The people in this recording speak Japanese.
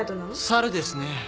猿ですね。